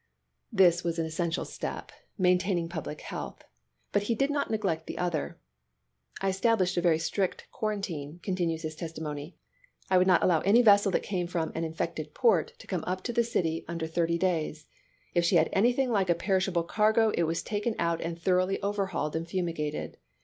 This was one essential step, maintaining public health ; but he did not neglect the other. " I established a very strict quarantine," continues his testimony. "I would not allow any vessel that came from an infected port to come up to the city under thirty days. If she had anything like a perishable cargo it was taken out and thoroughly overhauled and fumigated.